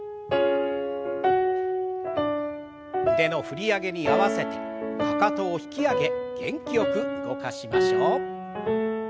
腕の振り上げに合わせてかかとを引き上げ元気よく動かしましょう。